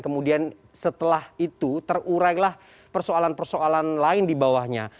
kemudian setelah itu terurailah persoalan persoalan lain di bawahnya